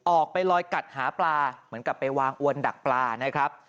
ออกไปลอยกัดหาปลาเหมือนกับไปวางอวนดักปลานะครับ